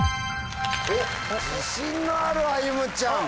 自信のあるあゆむちゃん。